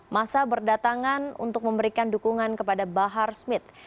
masa berdatangan untuk memberikan dukungan kepada bahar smith